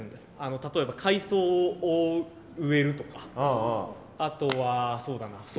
例えば海藻を植えるとかあとはそうだなそこら辺の草抜きとか。